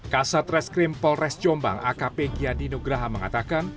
kasat reskrim polres jombang akp giadinugraha mengatakan